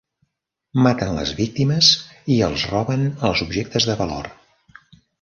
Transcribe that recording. Maten les víctimes i els roben els objectes de valor.